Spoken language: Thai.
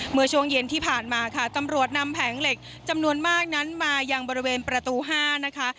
เมื่อช่วงเย็นที่ผ่านมาค่ะตำรวจนำแผงเหล็กจำนวนมากนั้นมายังบริเวณประตู๕นะคะ